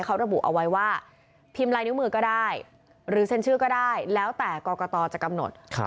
ก็ได้หรือเซ็นชื่อก็ได้แล้วแต่กรกตจะกำหนดครับ